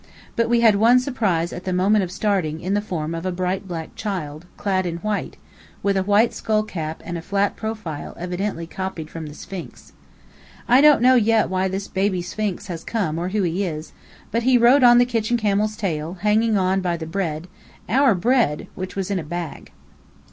But we had one surprise at the moment of starting in the form of a bright black child, clad in white, with a white skull cap and a flat profile evidently copied from the Sphinx. I don't know yet why this Baby Sphinx has come or who he is; but he rode on the kitchen camel's tail, hanging on by the bread (our bread!) which was in a bag.